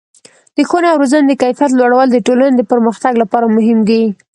د ښوونې او روزنې د کیفیت لوړول د ټولنې د پرمختګ لپاره مهم دي.